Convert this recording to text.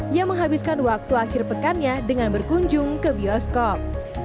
yang menghabiskan waktu akhir pekannya dengan berkunjung ke bioskop